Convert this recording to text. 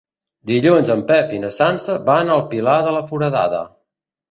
Dilluns en Pep i na Sança van al Pilar de la Foradada.